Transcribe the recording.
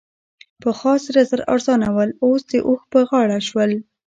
پخوا سره زر ارزانه ول؛ اوس د اوښ په غاړه شول.